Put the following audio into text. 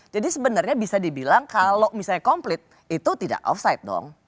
jadi sebenarnya bisa dibilang kalau misalnya komplit itu tidak offside dong